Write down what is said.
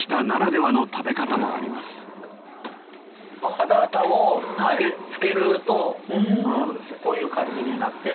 ハタハタを漬けるとこういう感じになって。